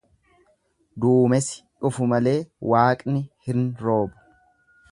Duumesi dhufu malee waaqni hin roobu.